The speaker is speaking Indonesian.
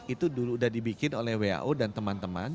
itu dulu udah dibikin oleh wao dan teman teman